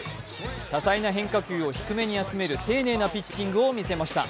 多彩な変化球を低めに集める丁寧なピッチングを見せました。